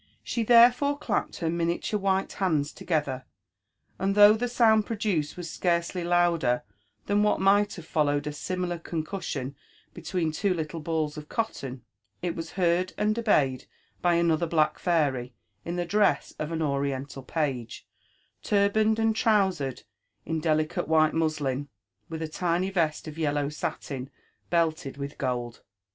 She therefore clapped her miniature white hands together; and though the sound produced was scarcely louder than what might have followed a similar concussion be tween two little balls of cotton, it was heard and obeyed by another black fairy in the dress of an oriental page, turbaned and trowsered in delicate white muslin, with a tiny vest of yellow satin, belled with gold.